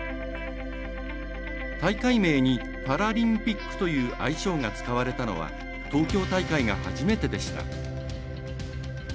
大会名にパラリンピックという愛称が使われたのは東京大会が初めてでした。